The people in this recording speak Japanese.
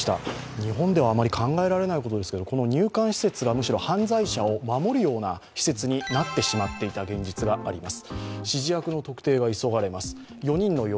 日本ではあまり考えられないことですが、入管施設がむしろ犯罪者を守るような施設になってしまっていた現実があります。